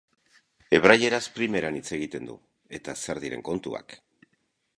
Hebraieraz primeran hitz egiten du, eta zer diren kontuak!